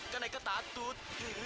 kan eka tatut